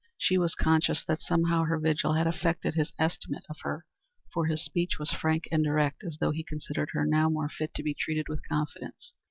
She was conscious that somehow her vigil had affected his estimate of her, for his speech was frank and direct, as though he considered her now more fit to be treated with confidence.